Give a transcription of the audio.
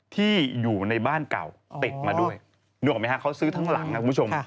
ที่อยู่ในบ้านเก่าติดมาด้วยนึกออกไหมฮะเขาซื้อทั้งหลังครับคุณผู้ชม